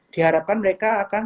diharapkan mereka akan